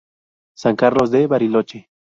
San Carlos de Bariloche.